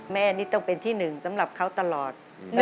แม่นี่ต้องเป็นที่หนึ่งสำหรับเขาตลอด